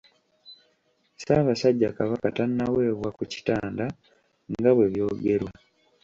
Ssaabasajja Kabaka tannaweebwa ku kitanda nga bwe byogerwa.